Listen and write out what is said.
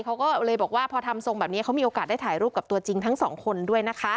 เขาก็เลยบอกว่าพอทำทรงแบบนี้เขามีโอกาสได้ถ่ายรูปกับตัวจริงทั้งสองคนด้วยนะคะ